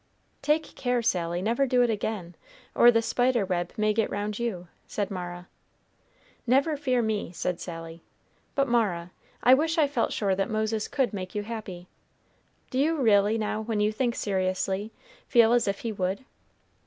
"Take care, Sally; never do it again, or the spider web may get round you," said Mara. "Never fear me," said Sally. "But, Mara, I wish I felt sure that Moses could make you happy. Do you really, now, when you think seriously, feel as if he would?"